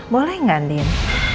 boleh gak andien